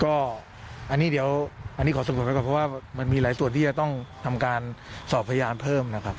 ก็อันนี้เดี๋ยวอันนี้ขอสรุปไว้ก่อนเพราะว่ามันมีหลายส่วนที่จะต้องทำการสอบพยานเพิ่มนะครับ